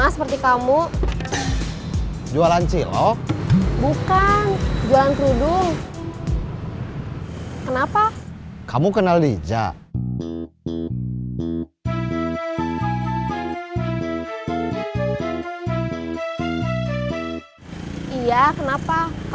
sekarang jualan cilok bantuin saya